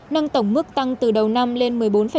năng tổng mức tăng từ đầu năm lên một mươi bốn sáu